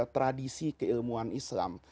tradisi keilmuan islam